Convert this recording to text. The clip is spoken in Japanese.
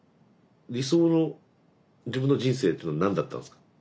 理想の自分の人生というのは何だったんですか。